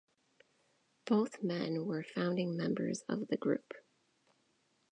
Both men were founding members of the Group.